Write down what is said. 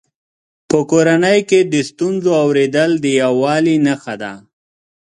په کورنۍ کې د ستونزو اورېدل د یووالي نښه ده.